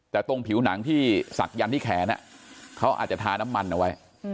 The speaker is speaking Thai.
แต่ตรงผิวหนังที่ศักดันที่แขนเขาอาจจะทาน้ำมันเอาไว้